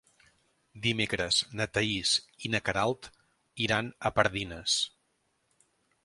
Dimecres na Thaís i na Queralt iran a Pardines.